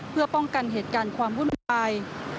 เพื่อป้องกันเหตุการณ์ความวุ่นวาย